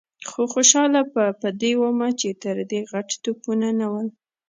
خو خوشاله په دې وم چې تر دې غټ توپونه نه ول.